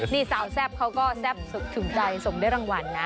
นี่สาวแซ่บเขาก็แซ่บถึงใจส่งได้รางวัลนะ